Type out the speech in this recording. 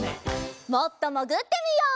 もっともぐってみよう！